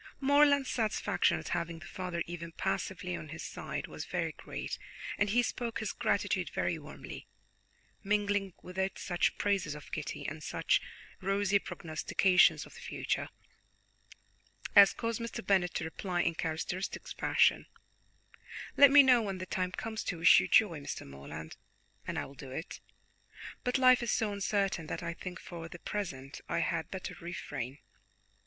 Morland's satisfaction at having the father even passively on his side was very great, and he spoke his gratitude very warmly, mingling with it such praises of Kitty, and such rosy prognostications of the future, as caused Mr. Bennet to reply, in characteristic fashion: "Let me know when the time comes to wish you joy, Mr. Morland, and I will do it, but life is so uncertain that I think for the present I had better refrain.